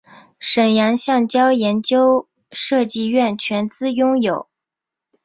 沈阳橡胶研究设计院全资拥有。